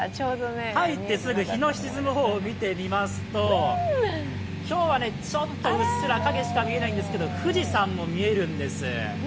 入ってすぐ日の沈む方を見てみますと、今日はちょっとうっすら影しか見えないですけど富士山も見えるんです。